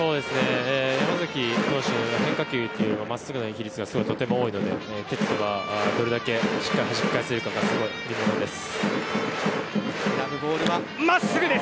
山崎投手は変化球というより真っすぐの比率がとても多いので哲人がどれだけしっかりはじき返せるか見どころです。